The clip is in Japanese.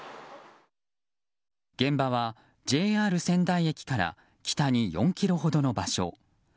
現場はＪＲ仙台駅から北に４ｋｍほどの場所。